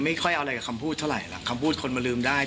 ไม่ค่อยเอาอะไรกับคำพูดเท่าไหร่ล่ะคำพูดคนมาลืมได้